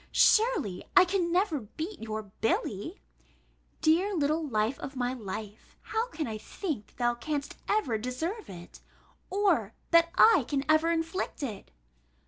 Surely I can never beat your Billy! Dear little life of my life! how can I think thou canst ever deserve it, or that I can ever inflict it?